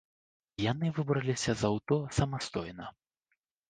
Яны выбраліся з аўто самастойна.